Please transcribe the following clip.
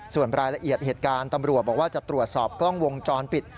ส่วนรายละเอียดเหตุการณ์ตำรวจบอกว่าจะตรวจสอบกล้องวงจรปิด